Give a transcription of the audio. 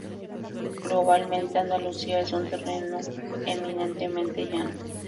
Globalmente, Andalucía es un terreno eminentemente llano.